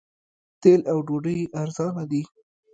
تیل او ډوډۍ ارزانه دي.